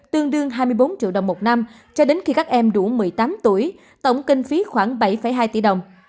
tương đương hai mươi bốn triệu đồng một năm cho đến khi các em đủ một mươi tám tuổi tổng kinh phí khoảng bảy hai tỷ đồng